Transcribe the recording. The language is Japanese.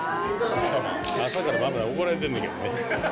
朝から晩まで怒られてんのやけどね。